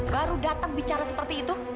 baru datang bicara seperti itu